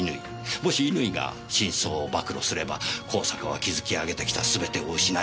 もし乾が真相を暴露すれば香坂は築き上げてきたすべてを失い破滅する。